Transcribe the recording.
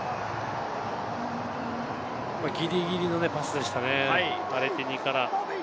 ギリギリのパスでしたね、ヴァレティニから。